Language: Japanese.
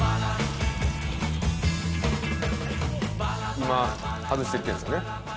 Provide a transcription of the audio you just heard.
今外してっているんですよね。